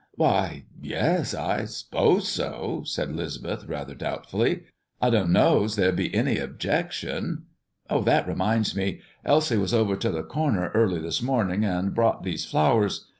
"Why, yes, I s'pose so," said 'Lisbeth rather doubtfully. "I d' know 's there'd be any objection. Oh, that reminds me. Elsie was over t' the Corner early this morning, and brought these flowers.